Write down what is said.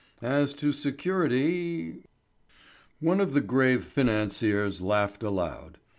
As to security One of the grave financiers laughed aloud.